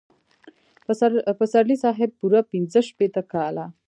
پسرلي صاحب پوره پنځه شپېته کاله.